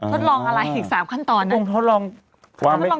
ทดลองอะไรอีก๓ขั้นตอนนะ